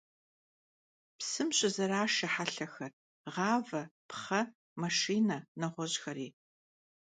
Psım şızeraşşe helhexer: ğave, pxhe, maşşine, neğueş'xeri.